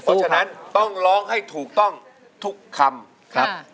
เพราะฉะนั้นต้องร้องให้ถูกต้องทุกคำครับ